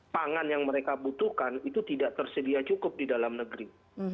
pangan yang mereka butuhkan itu tidak tersedia cukup di dalam negeri